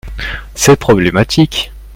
C'est problématique.